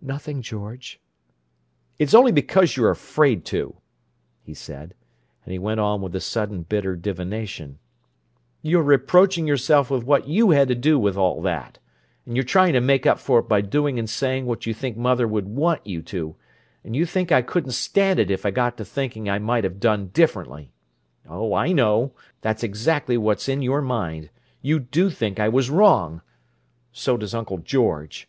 "Nothing, George." "It's only because you're afraid to!" he said, and he went on with a sudden bitter divination: "You're reproaching yourself with what you had to do with all that; and you're trying to make up for it by doing and saying what you think mother would want you to, and you think I couldn't stand it if I got to thinking I might have done differently. Oh, I know! That's exactly what's in your mind: you do think I was wrong! So does Uncle George.